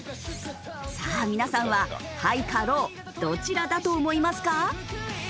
さあ皆さんはハイかローどちらだと思いますか？